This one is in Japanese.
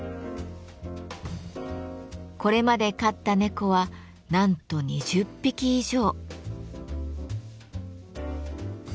これまで飼った猫はなんと２０匹以上。